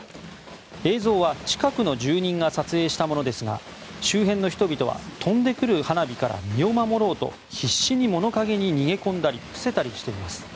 映像は近くの住人が撮影したものですが周辺の人々は飛んでくる花火から身を守ろうと必死に物陰に逃げ込んだり伏せたりしています。